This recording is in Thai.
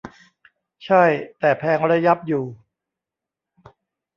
ใช่ แต่แพงระยับอยู่